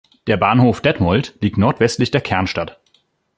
Der Bahnhof Detmold liegt nordwestlich der Kernstadt.